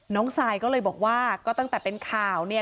ซายก็เลยบอกว่าก็ตั้งแต่เป็นข่าวเนี่ย